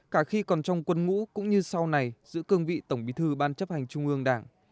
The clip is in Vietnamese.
cả khi còn trong quân ngũ cũng như sau này giữ cương vị tổng bí thư ban chấp hành trung ương đảng